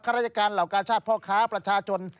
ราชการเหล่ากาชาติพ่อค้าประชาชน